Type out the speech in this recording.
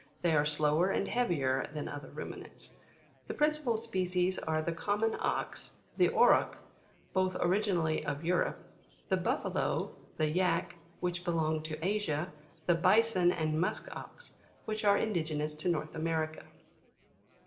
They are slower and heavier than other Ruminants. The principal species are : the common Ox, the Auroch, both originally of Europe, the Buffalo, the Yack, which belong to Asia, the Bison and Musk Ox, which are indige nous to North America.